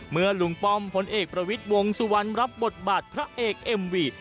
เมื่อลุงป้อมพลเอกประวิทย์วงสุวรรณรับบทบาทพระเอกเอ็มวี